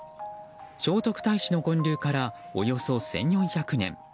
聖徳太子の建立からおよそ１４００年。